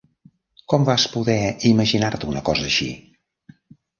Com vas poder imaginar-te una cosa així?